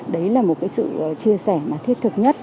đấy là một cái sự chia sẻ mà thiết thực nhất